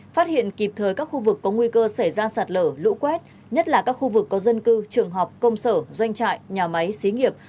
phát hiện kịp thời các khu vực có nguy cơ xảy ra sạt lở lũ quét nhất là các khu vực có dân cư trường học công sở doanh trại nhà máy xí nghiệp